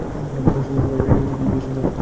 শোনো, সবাই, এটাই হচ্ছে ফিজিক্সের সৌন্দর্য।